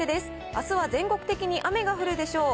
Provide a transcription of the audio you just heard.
あすは全国的に雨が降るでしょう。